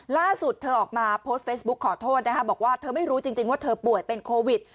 ล่าสุดเธอออกมาโพสต์เฟซบุ๊กขอโทษนะคะบอกว่าเธอไม่รู้จริงว่าเธอป่วยเป็นโควิด